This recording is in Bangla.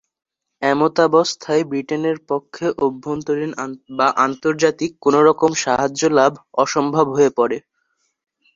এমতাবস্থায় ব্রিটেনের পক্ষে অভ্যন্তরীণ বা আন্তর্জাতিক কোনোরকম সাহায্য লাভ অসম্ভব হয়ে পড়ে।